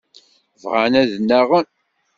Bɣan ad nnaɣen.